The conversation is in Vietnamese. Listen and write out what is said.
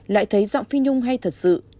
lại thấy giọng phi nhung hay thật sự